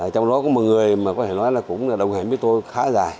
trong đó có một người mà có thể nói là cũng đồng hành với tôi khá dài